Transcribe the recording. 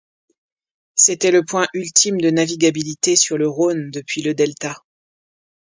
C'était le point ultime de navigabilité sur le Rhône depuis le delta.